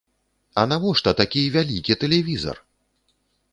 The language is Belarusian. А навошта такі вялікі тэлевізар?!